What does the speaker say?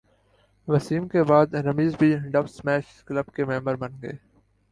وسیم کے بعد رمیز بھی ڈب اسمیش کلب کے ممبر بن گئے